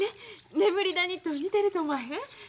眠り谷と似てると思わへん？